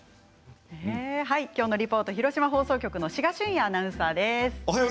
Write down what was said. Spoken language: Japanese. きょうのリポート広島放送局の志賀隼哉アナウンサーです。